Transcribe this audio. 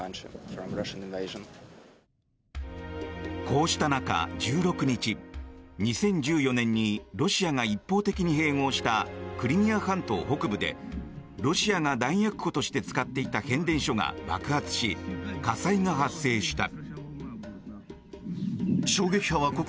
こうした中、１６日２０１４年にロシアが一方的に併合したクリミア半島北部でロシアが弾薬庫として使っていた変電所が爆発し火災が発生した。